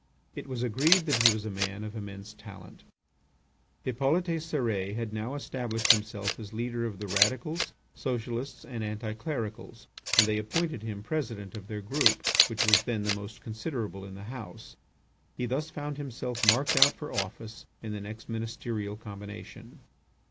It was agreed that he was a man of immense talent. Hippolyte Cérès had now established himself as leader of the radicals, socialists, and anti clericals, and they appointed him President of their group, which was then the most considerable in the House. He thus found himself marked out for office in the next ministerial combination.